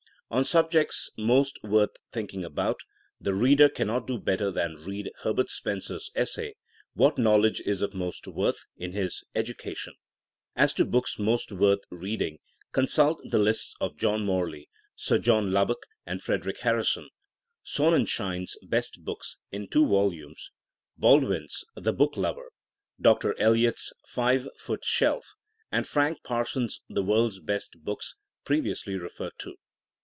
On subjects most worth thinking about, the reader cannot do better than read Herbert Spen cer 's essay What Knowledge is of Most Worth? in his Education. As to books most worth read ing, consult the lists of John Morley, Sir John Lubbock, and Frederic Harrison ; Sonnen schein's Best Books (in two volumes); Bald THINKma AS A SOIENGE 251 win's The Book Lover; Dr. Eliot's Five Foot Shelf and Frank Parson's The World's Best Books, previonsly referred to.